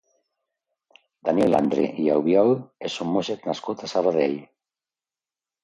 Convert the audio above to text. Daniel Landry i Albiol és un músic nascut a Sabadell.